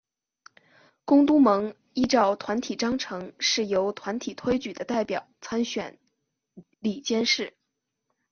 公督盟依照团体章程是由团体推举的代表参选理监事。